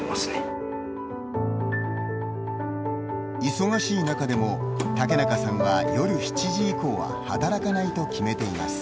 忙しい中でも竹中さんは夜７時以降は働かないと決めています。